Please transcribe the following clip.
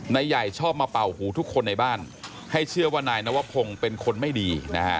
นายใหญ่ชอบมาเป่าหูทุกคนในบ้านให้เชื่อว่านายนวพงศ์เป็นคนไม่ดีนะฮะ